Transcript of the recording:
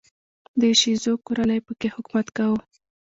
د شیزو کورنۍ په کې حکومت کاوه.